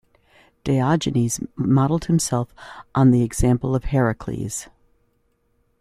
Diogenes modelled himself on the example of Heracles.